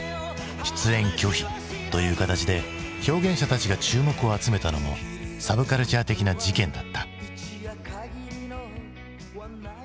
出演拒否という形で表現者たちが注目を集めたのもサブカルチャー的な事件だった。